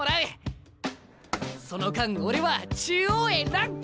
その間俺は中央へラン！